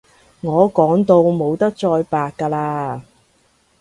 我講到冇得再白㗎喇